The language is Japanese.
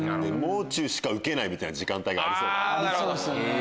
「もう中」しかウケないみたいな時間帯がありそう。